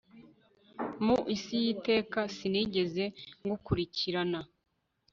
Mu isi yiteka sinigeze ngukurikirana